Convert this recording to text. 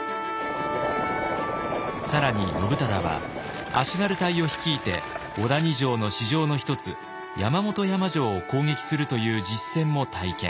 更に信忠は足軽隊を率いて小谷城の支城の一つ山本山城を攻撃するという実戦も体験。